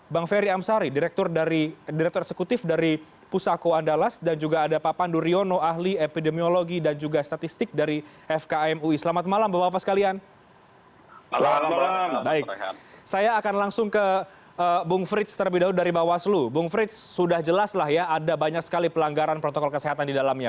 bung frits sudah jelas lah ya ada banyak sekali pelanggaran protokol kesehatan di dalamnya